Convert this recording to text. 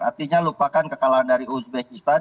artinya lupakan kekalahan dari uzbekistan